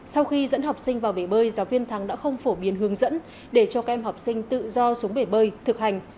sau khi dẫn học sinh vào bể bơi giáo viên thắng đã không phổ biến hướng dẫn để cho các em học sinh tự do xuống bể bơi thực hành